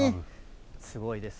すごいです。